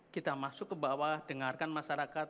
kita masuk ke bawah dengarkan masyarakat